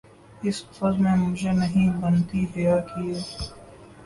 اس بزم میں مجھے نہیں بنتی حیا کیے